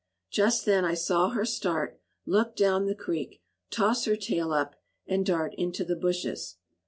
Just then I saw her start, look down the creek, toss her tail up, and dart into the bushes.